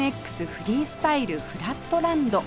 フリースタイルフラットランド